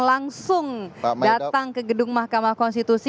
langsung datang ke gedung mahkamah konstitusi